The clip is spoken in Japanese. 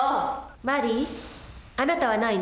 マリーあなたはないの？